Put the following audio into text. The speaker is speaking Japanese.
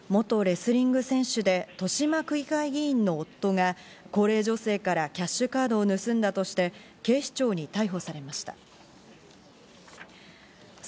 元レスリング選手で豊島区議会議員の夫が高齢女性からキャッシュカードを盗んだとして警視庁に逮捕されました。